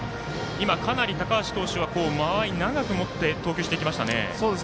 今、かなり高橋投手は間合い、長く持って投球してきました。